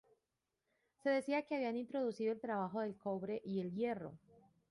Se decía que habían introducido el trabajo del cobre y el hierro.